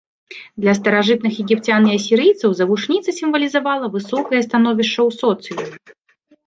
Для старажытных егіпцян і асірыйцаў завушніца сімвалізавала высокае становішча ў соцыуме.